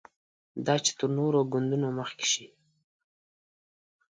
دا چې تر نورو ګوندونو مخکې شي.